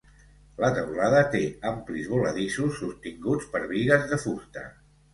La teulada té amplis voladissos sostinguts per bigues de fusta.